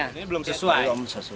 ini belum sesuai